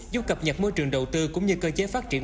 giúp cập nhật môi trường đầu tư cũng như cơ chế phát triển